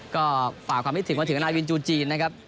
ก็ฝากความคิดถึงมาถึงนายวินจูจีนนะครับ